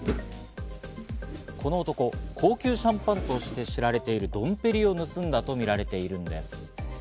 この男、高級シャンパンとして知られているドンペリを盗んだとみられているんです。